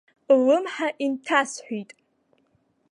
Ллымҳа инҭасҳәеит.